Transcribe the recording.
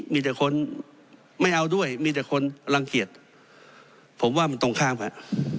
มีแต่คนไม่เอาด้วยมีแต่คนรังเกียจผมว่ามันตรงข้ามครับ